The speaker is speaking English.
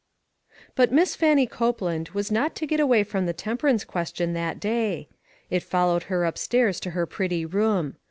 BUT Miss Fannie Copeland was not to get away from the temperance ques tion that day. It followed her up stairs to her pretty room.